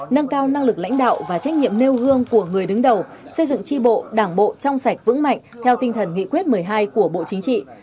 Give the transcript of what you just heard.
nâng cao năng lực lãnh đạo và trách nhiệm nêu gương của người đứng đầu xây dựng tri bộ đảng bộ trong sạch vững mạnh theo tinh thần nghị quyết một mươi hai của bộ chính trị